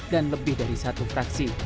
dan lebih dari satu fraksi